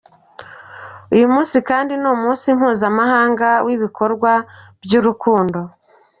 Uyu munsi kandi ni umunsi mpuzamahanga w’ibikorwa by’urukundo.